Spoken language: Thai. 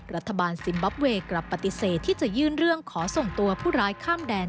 รัฐบาลซิมบับเวย์กลับปฏิเสธที่จะยื่นเรื่องขอส่งตัวผู้ร้ายข้ามแดน